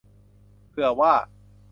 เผื่อว่า